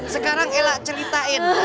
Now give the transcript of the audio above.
sekarang ella ceritain